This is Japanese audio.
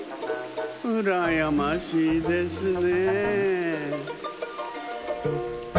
うらやましいですね。